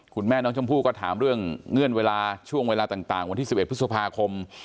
คุณแม่น้องชมพู่ก็ถามเรื่องเงื่อนเวลาช่วงเวลาต่างวันที่๑๑พฤษภาคม